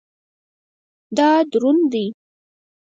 دا دروند دی